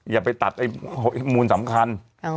อย่าไปตัดมูลสำคัญ